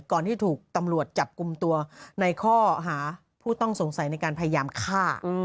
ที่ถูกตำรวจจับกลุ่มตัวในข้อหาผู้ต้องสงสัยในการพยายามฆ่า